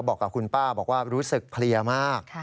บอกกับคุณป้าบอกว่ารู้สึกเพลียมาก